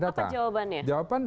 apa jawabannya jawaban